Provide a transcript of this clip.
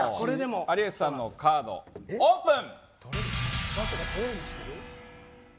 有吉さんのカードオープン！